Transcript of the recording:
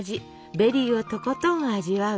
ベリーをとことん味わう